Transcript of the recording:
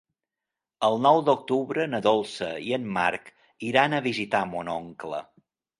El nou d'octubre na Dolça i en Marc iran a visitar mon oncle.